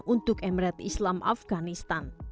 untuk emirat islam afganistan